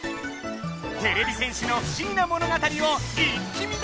てれび戦士の不思議な物語を一気見だ！